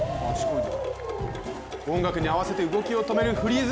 音楽に合わせて動きを止めるフリーズ。